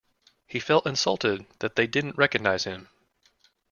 He felt insulted that they didn't recognise him.